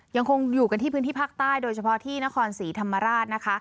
ยังคงอยู่กันที่พื้นที่ภาคใต้โดยเฉพาะที่นครศรีธรรมราชนะคะ